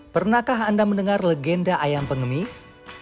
pernahkah anda mendengar legenda ayam pengemis